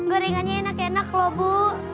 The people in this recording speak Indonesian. gorengannya enak enak loh bu